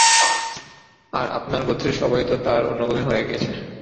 আর আপনার গোত্রের সবাই তো তাঁর অনুগামী হয়ে গেছে।